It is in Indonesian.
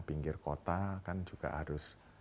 pinggir kota kan juga harus